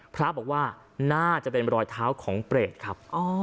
พระบอกว่าน่าจะเป็นรอยเท้าของเปรตครับ